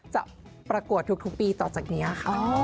ประกวดทุกปีต่อจากนี้ค่ะ